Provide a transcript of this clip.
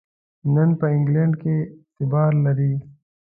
نن په انګلینډ کې اعتبار لري.